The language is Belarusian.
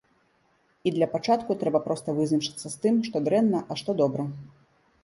І для пачатку трэба проста вызначыцца з тым, што дрэнна, а што добра.